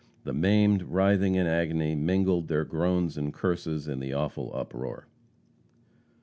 The maimed, writhing in agony, mingled their groans and curses in the awful uproar.